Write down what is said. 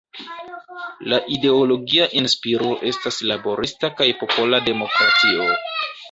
La ideologia inspiro estas laborista kaj popola demokratio.